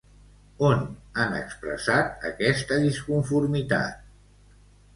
On han expressat aquesta disconformitat?